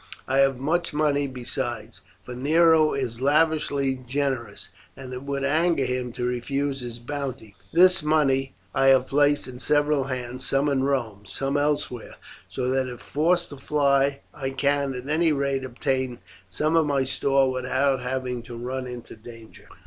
I have much money besides, for Nero is lavishly generous, and it would anger him to refuse his bounty. This money I have placed in several hands, some in Rome, some elsewhere, so that if forced to fly I can at any rate obtain some of my store without having to run into danger."